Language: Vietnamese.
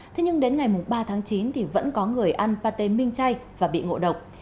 thế nhưng đến ngày ba tháng chín thì vẫn có người ăn pate minh chay và bị ngộ độc